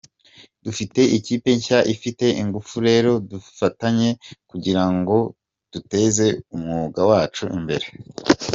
Dufite ikipe nshya ifite ingufu, rero dufatanye kugira ngo duteze umwuga wacu imbere.